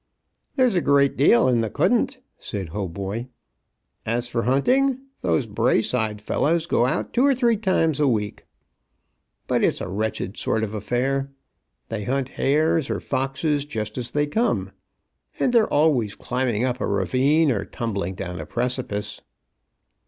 "There is a great deal in the couldn't," said Hautboy. "As for hunting, those Braeside fellows go out two or three times a week. But it's a wretched sort of affair. They hunt hares or foxes just as they come, and they're always climbing up a ravine or tumbling down a precipice."